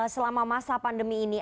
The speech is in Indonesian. selama masa pandemi ini